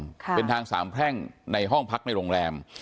ค่ะเป็นทางสามแพร่งในห้องพักในโรงแรม